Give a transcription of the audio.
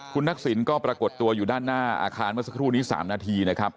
คุณทักษิณก็ปรากฏตัวอยู่ด้านหน้าอาคารเมื่อสักครู่นี้๓นาทีนะครับ